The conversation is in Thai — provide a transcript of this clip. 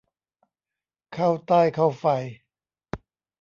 เข้าไต้เข้าไฟ